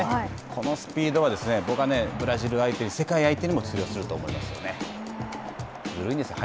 このスピードは僕は、ブラジル相手に、世界相手にも通用すると思いますよね。